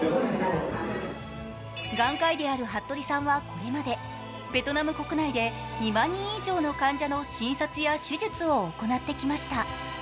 眼科医である服部さんはこれまでベトナム国内で２万人以上の患者の診察や手術を行ってきました。